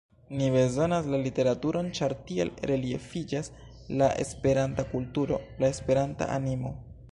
Ni bezonas la literaturon, ĉar tiel reliefiĝas la Esperanta kulturo, la Esperanta animo.